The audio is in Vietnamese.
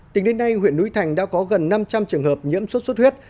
tính đến nay huyện núi thành đã có gần năm trăm linh trường hợp nhiễm sốt xuất huyết